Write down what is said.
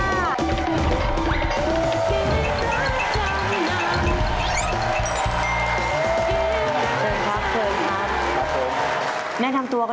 เชิญครับครับ